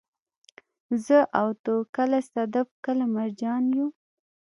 زه او ته، کله صدف، کله مرجان يو